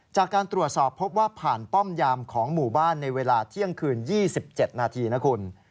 จากการตรวจสอบพบว่าผ่านป้อมยามของหมู่บ้านในเวลาเที่ยงคืน๒๗นาทีนะคุณ